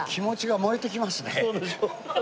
そうでしょ。